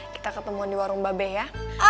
kita ketemuan di warung babe ya